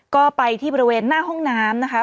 ก็ไปที่บริเวณหน้าห้องน้ำนะคะ